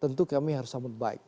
tentu kami harus sambut baik